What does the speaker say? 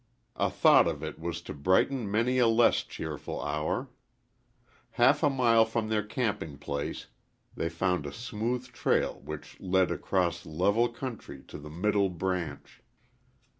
A thought of it was to brighten many a less cheerful hour. Half a mile from their camping place they found a smooth trail which led across level country to the Middle Branch.